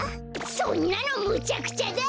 そんなのむちゃくちゃだ！